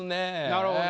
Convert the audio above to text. なるほど。